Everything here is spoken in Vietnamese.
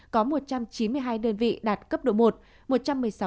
có một trăm chín mươi hai đơn vị đạt cấp độ một